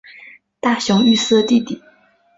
大熊裕司的弟弟。